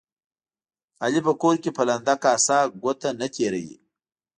علي په کور کې په لنده کاسه ګوته نه تېروي.